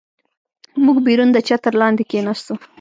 موږ بیرون د چتر لاندې کېناستو.